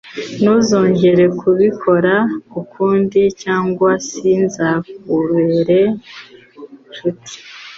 Ntuzongere kubikora ukundi cyangwa sinzakubera inshuti!